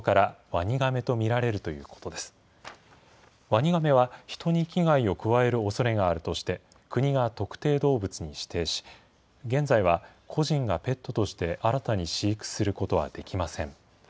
ワニガメは人に危害を加えるおそれがあるとして、国が特定動物に指定し、現在は個人がペットとして新たに飼育することはできません。